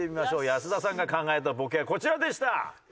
安田さんが考えたボケはこちらでした。